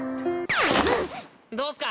どうっすか？